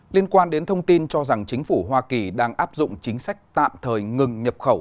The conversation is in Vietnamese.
liên quan đến thông tin cho rằng chính phủ hoa kỳ đang áp dụng chính sách tạm thời ngừng nhập khẩu